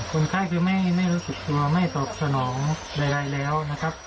คนไทยคือไม่รู้สูตรตัวไม่ตอบสนองใดแล้ว